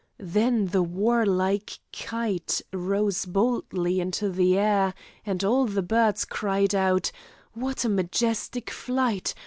Then the warlike kite rose boldly into the air, and all the birds cried out, 'What a majestic flight!